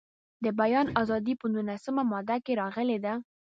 د بیان ازادي په نولسمه ماده کې راغلې ده.